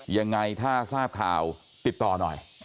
ยังไงถ้าทราบข่าวติดต่อหน่อย